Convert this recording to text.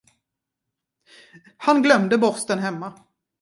Han glömde borsten hemma.